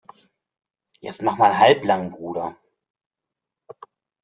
Jetzt mach mal halblang, Bruder!